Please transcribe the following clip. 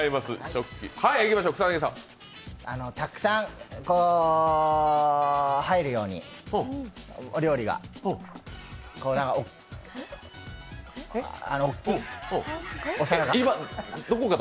たくさん入るようにお料理が、大きい、お皿が。